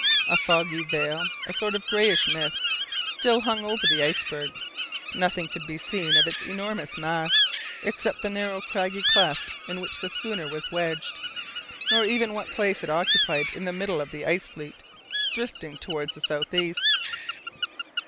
A foggy veil, a sort of greyish mist still hung over the iceberg. Nothing could be seen of its enormous mass except the narrow craggy cleft in which the schooner was wedged, nor even what place it occupied in the middle of the ice fleet drifting towards the south east.